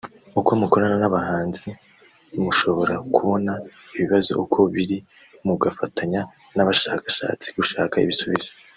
uko mukorana n’abahinzi mushobora kubona ibibazo uko biri mugafatanya n’abashakashatsi gushaka ibisubizo